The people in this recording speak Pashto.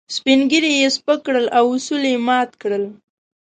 سپين ږيري يې سپک کړل او اصول يې مات کړل.